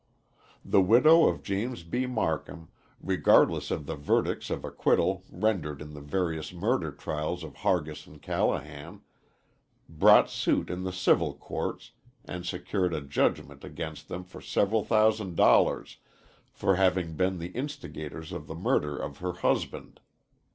The widow of James B. Marcum, regardless of the verdicts of acquittal rendered in the various murder trials of Hargis and Callahan, brought suit in the civil courts and secured a judgment against them for several thousand dollars for having been the instigators of the murder of her husband.